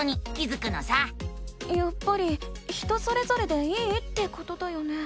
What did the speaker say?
やっぱり人それぞれでいいってことだよね？